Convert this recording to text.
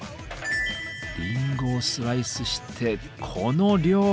りんごをスライスしてこの量！